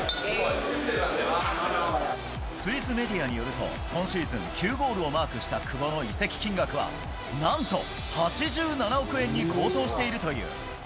スイスメディアによると、今シーズン９ゴールをマークした久保の移籍金額は、なんと８７億円に高騰しているという。